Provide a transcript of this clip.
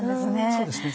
そうですね。